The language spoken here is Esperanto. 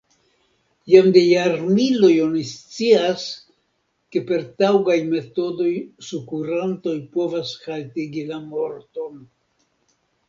Jam de jarmiloj oni scias, ke per taŭgaj metodoj sukurantoj povas haltigi la morton.